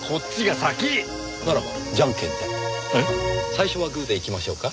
最初はグーでいきましょうか？